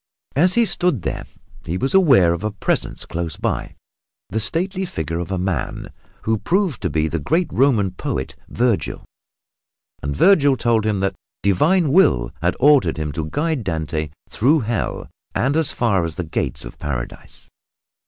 As he stood there he was aware of a presence close by, the stately figure of a man, who proved to be the great Roman poet, Vergil, and Vergil told him that Divine Will had ordered him to guide Dante through Hell and as far as the gates of Paradise.